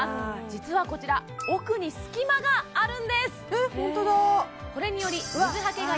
実はこちら奥に隙間があるんですえっ